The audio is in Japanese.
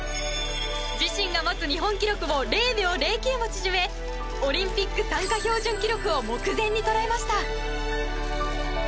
自身が持つ日本記録を０秒０９も縮めオリンピック参加標準記録を目前に捉えました。